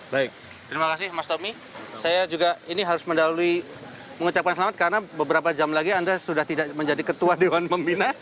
baik terima kasih mas tommy saya juga ini harus mendalui mengucapkan selamat karena beberapa jam lagi anda sudah tidak menjadi ketua dewan pembina